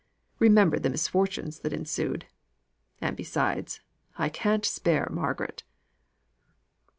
Remember the misfortunes that ensued; and besides, I can't spare Margaret."